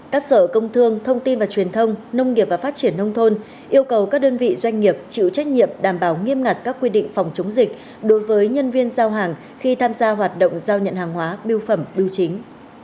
các sở công thương thông tin và truyền thông nông nghiệp và phát triển nông thôn yêu cầu các đơn vị doanh nghiệp chịu trách nhiệm đảm bảo nghiêm ngặt các quy định phòng chống dịch đối với nhân viên giao hàng khi tham gia hoạt động giao nhận hàng hóa biêu phẩm bưu chính